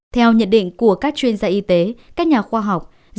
theo nhận định của các chuyên gia y tế các nhà khoa học